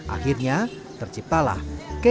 akhirnya terciptalah kek kentang dan sayuran